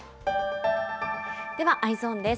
では、Ｅｙｅｓｏｎです。